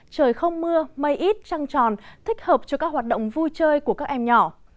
trời không mưa mây ít trăng tròn thích hợp cho các hoạt động vui chơi của các em nhỏ